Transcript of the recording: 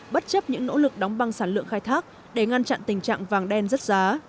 bất chấp những nỗ lực đóng băng sản lượng khai thác để ngăn chặn tình trạng vàng đen rất giá